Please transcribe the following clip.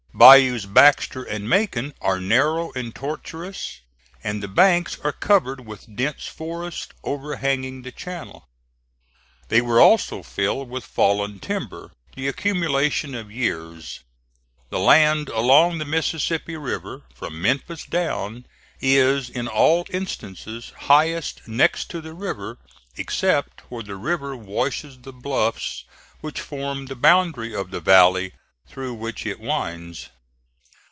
Bayous Baxter and Macon are narrow and tortuous, and the banks are covered with dense forests overhanging the channel. They were also filled with fallen timber, the accumulation of years. The land along the Mississippi River, from Memphis down, is in all instances highest next to the river, except where the river washes the bluffs which form the boundary of the valley through which it winds.